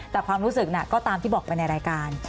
แต่ความรู้สึกน่ะก็ตามที่บอกไปในรายการ